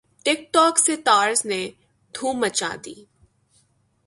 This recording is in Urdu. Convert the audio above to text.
ٹک ٹوک سٹارز نے دھوم مچا دی